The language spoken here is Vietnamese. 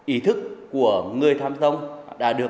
ý thức của người tham gia giao thông